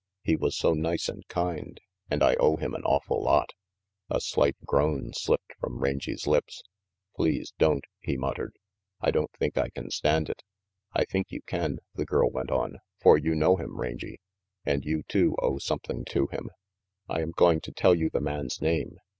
He was so nice and kind, and I owe him an awful lot A slight groan slipped from Range's lips. "Please, don't," he muttered. "I don't think I can stand it " "I think you can," the girl went on, "for you know him, Rangy. And you, too, owe something to 408 RANGY PETE him. I am going to tell you the man's name.